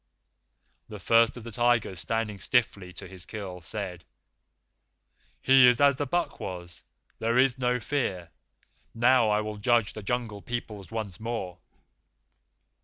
"The First of the Tigers, standing stiffly to his kill, said. 'He is as the buck was. There is no Fear. Now I will judge the Jungle Peoples once more.